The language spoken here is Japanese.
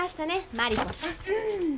マリコさん。